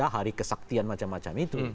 hari kesaktian macam macam itu